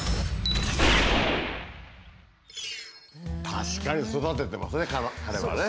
確かに育ててますね彼はね。